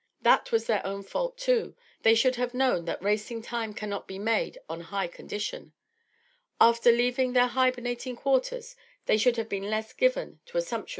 That was their own fault too; they should have known that racing time cannot be made on high condition. After leaving their hibernating quarters they should have been less given to a sumptuous habit at the table.